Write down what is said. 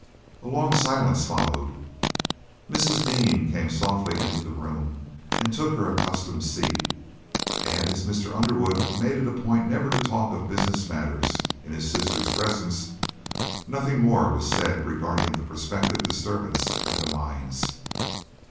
A long silence followed; Mrs. Dean came softly into the room and took her accustomed seat, and, as Mr. Underwood made it a point never to talk of business matters in his sister's presence, nothing more was said regarding the prospective disturbance at the mines.